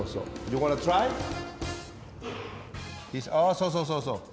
おそうそうそうそう。